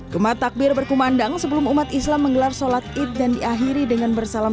kemat takbir berkumandang sebelum umat islam menggelar sholat id dan diakhiri dengan bersalam